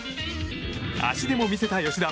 足でも見せた吉田。